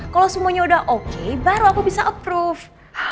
kalau semuanya udah oke baru aku bisa approve